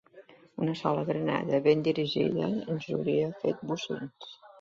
Una sola granada ben dirigida ens hauria fet bocins.